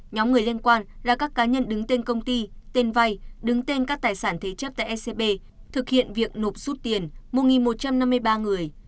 nhóm người liên quan là các cá nhân đứng tên công ty tên vay đứng tên các tài sản thế chấp tại ecb thực hiện việc nộp rút tiền một một trăm năm mươi ba người